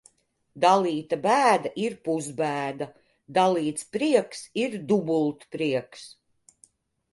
Dalīta bēda ir pusbēda, dalīts prieks ir dubultprieks.